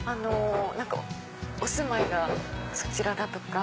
お住まいがそちらだとか。